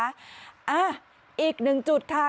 อ่ะอีกหนึ่งจุดค่ะ